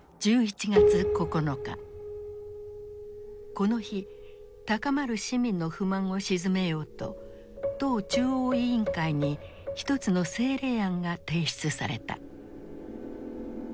この日高まる市民の不満を鎮めようと党中央委員会に一つの政令案が提出された。